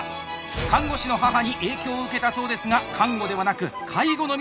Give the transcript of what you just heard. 看護師の母に影響を受けたそうですが看護ではなく介護の道を選びました。